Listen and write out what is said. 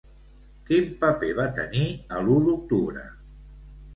Quin paper va tenir a l'U d'Octubre?